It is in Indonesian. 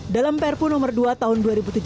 dalam perpu nomor dua tahun dua ribu tujuh belas